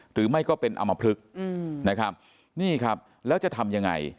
หรือไม่ก็เป็นอมพลึกนะครับนี่ครับแล้วจะทำยังไง